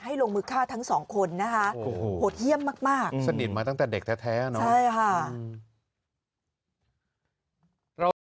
ลงมือฆ่าทั้งสองคนนะคะโหดเยี่ยมมากสนิทมาตั้งแต่เด็กแท้เนาะใช่ค่ะ